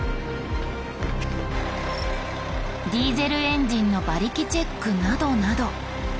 ディーゼルエンジンの馬力チェックなどなど。